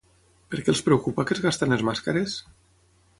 Per què els preocupa que es gastin les màscares?